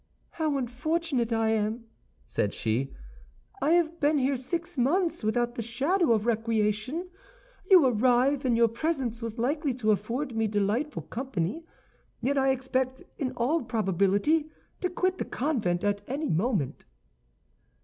"How unfortunate I am!" said she; "I have been here six months without the shadow of recreation. You arrive, and your presence was likely to afford me delightful company; yet I expect, in all probability, to quit the convent at any moment."